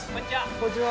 こんにちは。